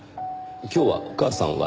今日はお母さんは？